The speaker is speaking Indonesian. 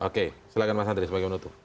oke silahkan mas andri sebagai penutup